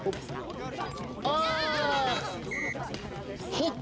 ほっ！